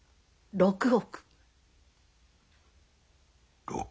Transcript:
６億？